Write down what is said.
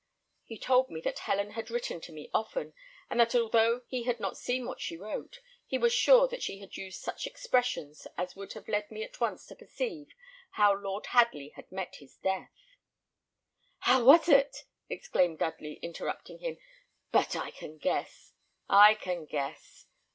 He told me that Helen had written to me often, and that although he had not seen what she wrote, he was sure that she had used such expressions as would have led me at once to perceive how Lord Hadley had met his death " "How was it!" exclaimed Dudley, interrupting him. "But I can guess; I can guess.